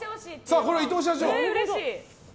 これは、伊藤社長！